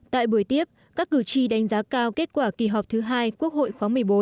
tại buổi tiếp các cử tri đánh giá cao kết quả kỳ họp thứ hai quốc hội khóa một mươi bốn